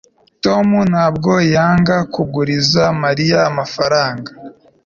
tom ntabwo yanga kuguriza mariya amafaranga